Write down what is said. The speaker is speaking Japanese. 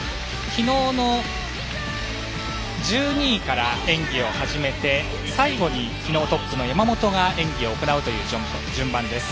昨日の１２位から演技を始めて最後に昨日トップの山本が演技を行う順番です。